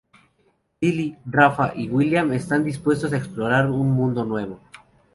Lili, Rafa y William están dispuestos a explorar un mundo nuevo.